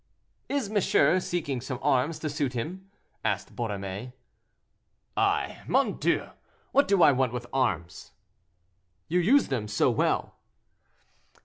"Is monsieur seeking some arms to suit him?" asked Borromée. "I! mon Dieu! what do I want with arms?" "You use them so well."